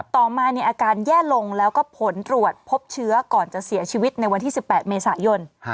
ต่อมาอาการแย่ลงแล้วก็ผลตรวจพบเชื้อก่อนจะเสียชีวิตในวันที่๑๘เมษายน